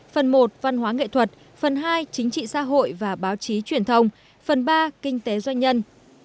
phần một văn hóa nghệ thuật phần hai chính trị xã hội và báo chí truyền thông phần ba kinh tế doanh nhân